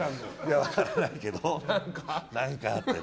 分からないけど何かあってね。